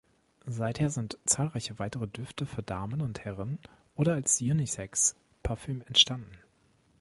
Seither sind zahlreiche weitere Düfte für Damen und Herren oder als Unisex-Parfüm entstanden.